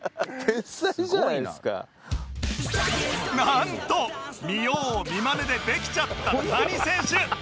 なんと見よう見まねでできちゃった谷選手